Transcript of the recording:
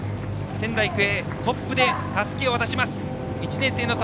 仙台育英、トップでたすきを渡しました。